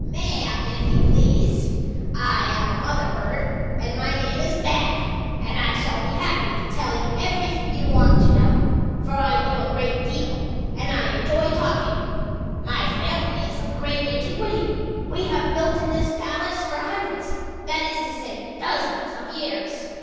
"Ma'am, if you please. I am a mother bird, and my name is Mag, and I shall be happy to tell you everything you want to know. For I know a great deal; and I enjoy talking. My family is of great antiquity; we have built in this palace for hundreds that is to say, dozens of years.